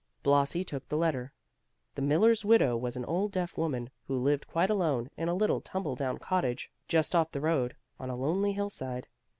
Blasi took the letter. The Miller's widow was an old deaf woman, who lived quite alone, in a little, tumble down cottage, just off the road, on a lonely hillside.